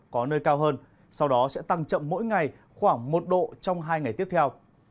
có nơi cao hơn sau đó sẽ tăng chậm mỗi ngày khoảng một độ trong hai ngày tiếp theo